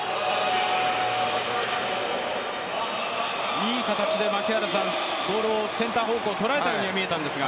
いい形でボールをセンター方向に捉えたように見えたんですが。